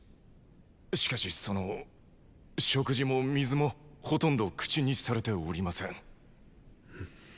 しかしその食事も水もほとんど口にされておりません。